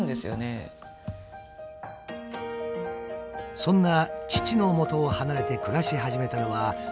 そんな父のもとを離れて暮らし始めたのは１８歳のとき。